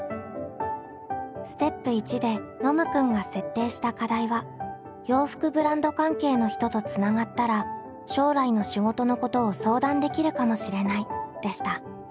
ステップ１でノムくんが設定した課題は「洋服ブランド関係の人とつながったら将来の仕事のことを相談できるかもしれない」でした。